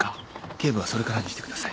警部はそれからにしてください。